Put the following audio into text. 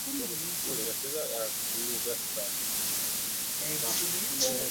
unafikiri ni mambo gani hayo ambayo bwana bagdbo alimwambia